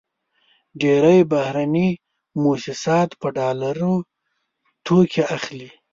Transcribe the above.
ډېری بهرني موسسات په ډالرو توکې اخلي.